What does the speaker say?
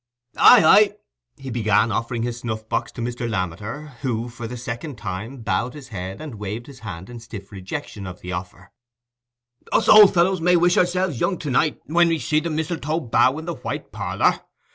"Aye, aye," he began, offering his snuff box to Mr. Lammeter, who for the second time bowed his head and waved his hand in stiff rejection of the offer, "us old fellows may wish ourselves young to night, when we see the mistletoe bough in the White Parlour.